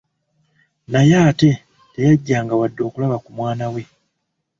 Naye ate teyajjanga wadde okulaba ku mwana we.